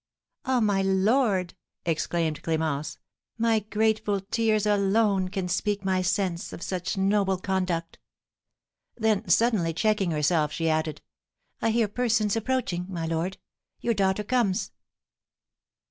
"Ah, my lord," exclaimed Clémence, "my grateful tears alone can speak my sense of such noble conduct!" Then suddenly checking herself, she added, "I hear persons approaching, my lord; your daughter comes."